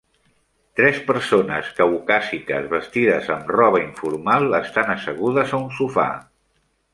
Tres persones caucàsiques vestides amb roba informal estan assegudes a un sofà.